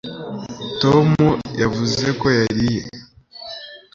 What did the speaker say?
tom yavuze ko yariye